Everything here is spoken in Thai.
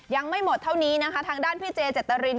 ยังไม่หมดเท่านี้นะคะทางด้านพี่เจเจตริน